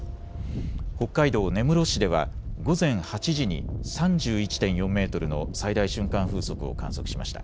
北海道根室市では午前８時に３１．４メートルの最大瞬間風速を観測しました。